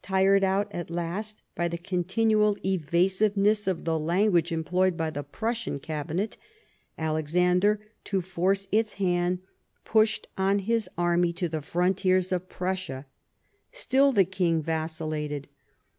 Tired out, at last, by the continued evasiveness of the language employed by the Prussian cabinet, Alexander, to force its hand, pushed on his army to the frontiers of Prussia. Still the King vacillated.